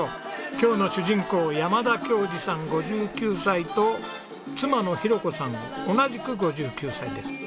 今日の主人公山田恭嗣さん５９歳と妻の浩子さん同じく５９歳です。